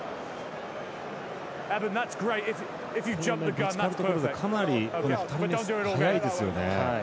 ぶつかるところでかなり２人目速いですよね。